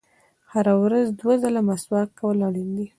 • هره ورځ دوه ځله مسواک کول اړین دي.